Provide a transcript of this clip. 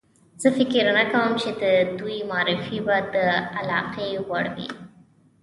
زه فکر نه کوم چې د دوی معرفي به د علاقې وړ وي.